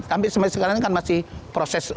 tapi sekarang kan masih proses untuk